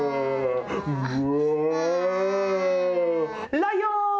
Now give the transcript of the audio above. ライオン！